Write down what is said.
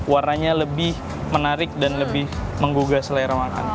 warnanya lebih menarik dan lebih menggugah selera makan